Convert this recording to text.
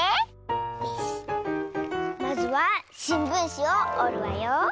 まずはしんぶんしをおるわよ。